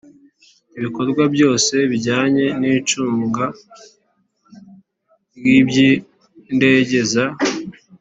Ibikorwa byose bijyanye n icunga ry iby indege za